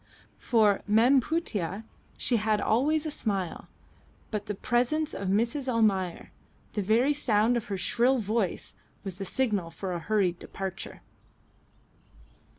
For "Mem Putih" she had always a smile, but the presence of Mrs. Almayer, the very sound of her shrill voice, was the signal for a hurried departure.